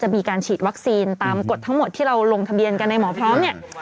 มีการฉีดวัคซีนตามกฎทั้งหมดที่เราลงทะเบียนกันในหมอพร้อมเนี่ย